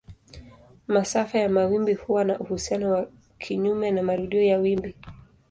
Masafa ya mawimbi huwa na uhusiano wa kinyume na marudio ya wimbi.